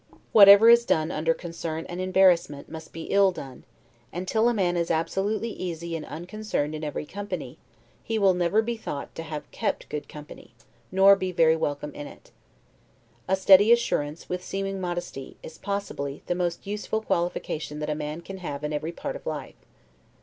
Whatever is done under concern and embarrassment, must be ill done, and, till a man is absolutely easy and unconcerned in every company, he will never be thought to have kept good company, nor be very welcome in it. A steady assurance, with seeming modesty, is possibly the most useful qualification that a man can have in every part of life.